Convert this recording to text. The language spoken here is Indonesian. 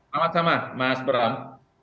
selamat malam mas bram